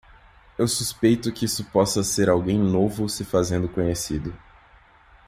Eu suspeito que isso possa ser alguém novo se fazendo conhecido.